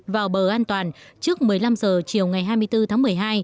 vào bờ an toàn trước một mươi năm h chiều ngày hai mươi bốn tháng một mươi hai